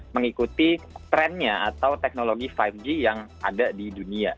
mengikuti trendnya atau teknologi lima g yang ada di dunia